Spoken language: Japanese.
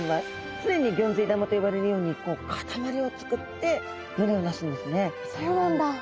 常にギョンズイ玉と呼ばれるように固まりを作って群れをなすんですね。